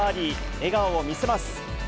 笑顔を見せます。